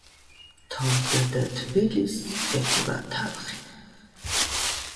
თოვდა და თბილისს ებურა თალხი